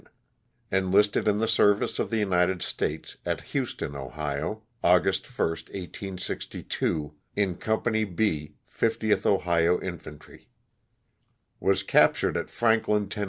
Enlisted in the service of the United States, at Huston, Ohio, August 1, 1862, in Company B, 50th Ohio In fantry. Was captured at Frank lin, Tenn.